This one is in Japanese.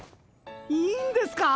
いいんですか！？